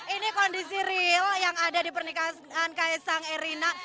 ini kondisi real yang ada di pernikahan kaisang erina